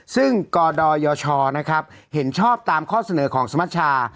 ซึ่งกดยชนะครับเห็นชอบตามข้อเสนอของสมัชชา